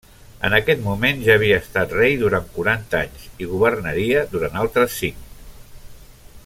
En aquest moment ja havia estat rei durant quaranta anys, i governaria durant altres cinc.